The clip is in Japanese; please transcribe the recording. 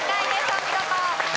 お見事。